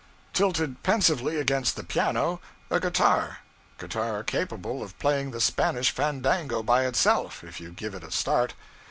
Tilted pensively against the piano, a guitar guitar capable of playing the Spanish Fandango by itself, if you give it a start.